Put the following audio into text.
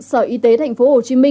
sở y tế tp hcm